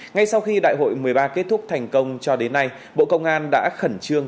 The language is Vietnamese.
ngay sau khi đại hội một mươi ba kết thúc thành công cho đến nay bộ công an đã khẩn trương